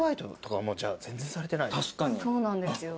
そうなんですよ。